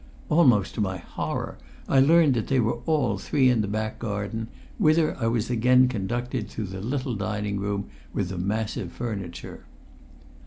Almost to my horror I learned that they were all three in the back garden, whither I was again conducted through the little dining room with the massive furniture.